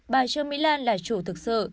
bà trường mỹ lan là chủ thực sự